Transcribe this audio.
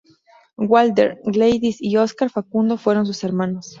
Walter, Gladys y Oscar Facundo fueron sus hermanos.